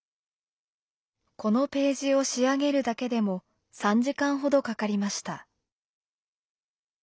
このページを仕上げるだけでも３時間ほどかかりました。